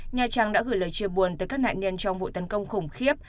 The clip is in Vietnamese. nhà trang đã gửi lời chia buồn tới các nạn nhân trong vụ tấn công khủng khiếp